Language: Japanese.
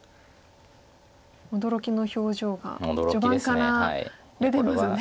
驚きの表情が序盤から出てますね